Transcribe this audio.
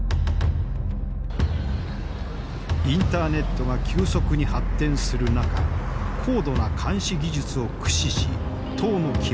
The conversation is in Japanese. インターネットが急速に発展する中高度な監視技術を駆使し党の基盤を強化。